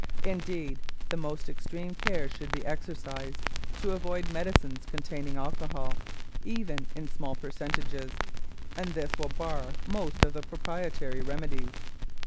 Indeed, the most extreme care should be exercised to avoid medicines containing alcohol even in small percentages, and this will bar most of the proprietary remedies.